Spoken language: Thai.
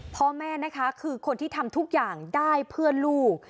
พ่อแม่นะคะคือคนที่ทำทุกอย่างได้เพื่อนลูก